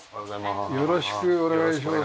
よろしくお願いします。